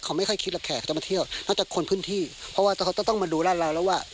เขาไม่ค่อยคิดหรอกแขกเขาจะมาเที่ยวน่าจะคนพื้นที่เพราะว่าเขาจะต้องมาดูร้านเราแล้วว่า